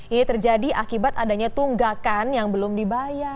ini terjadi akibat adanya tunggakan yang belum dibayar